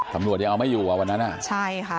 ตำรวจยังเอาไม่อยู่อ่ะวันนั้นอ่ะใช่ค่ะ